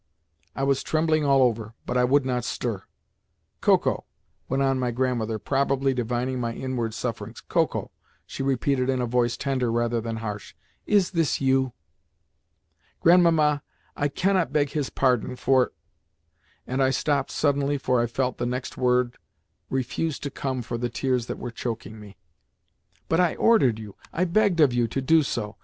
I was trembling all over, but I would not stir. "Koko," went on my grandmother, probably divining my inward sufferings, "Koko," she repeated in a voice tender rather than harsh, "is this you?" "Grandmamma, I cannot beg his pardon for—" and I stopped suddenly, for I felt the next word refuse to come for the tears that were choking me. "But I ordered you, I begged of you, to do so.